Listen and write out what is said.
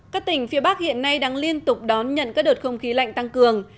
các tỉnh phía bắc hiện nay đang liên tục đón nhận các đợt không khí lạnh tăng cường